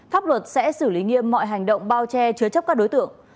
pháp luật sẽ xử lý nghiêm mọi hành động bao che chứa chấp các đối tượng